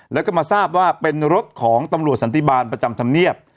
แล้วก็มาทราบว่าเป็นรถของตำรวจสันติบาลประจำธรรมเนียบ